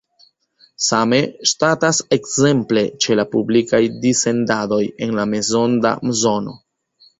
Same statas ekzemple ĉe la publikaj dissendadoj en la mezonda zono.